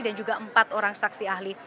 dan juga empat orang saksi ahli